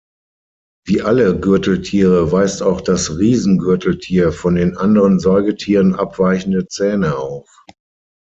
Wie alle Gürteltiere weist auch das Riesengürteltier von den anderen Säugetieren abweichende Zähne auf.